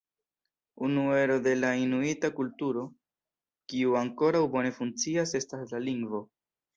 Unu ero de la inuita kulturo kiu ankoraŭ bone funkcias estas la lingvo.